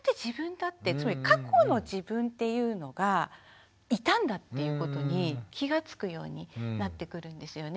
つまり過去の自分っていうのがいたんだっていうことに気がつくようになってくるんですよね。